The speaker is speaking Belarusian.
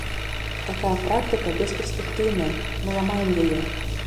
Такая практыка бесперспектыўная, мы ламаем яе.